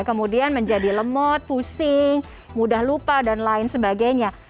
kemudian menjadi lemot pusing mudah lupa dan lain sebagainya